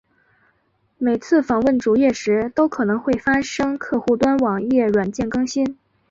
每次访问网页时都可能会发生客户端网页软件更新。